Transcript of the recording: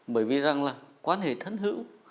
bởi vì rằng là quan hệ thân hữu